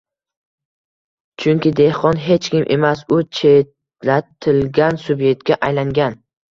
Chunki dehqon hech kim emas, u chetlatilgan sub'ektga aylangan